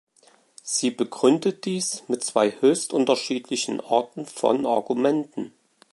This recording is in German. Sie begründet dies mit zwei höchst unterschiedlichen Arten von Argumenten.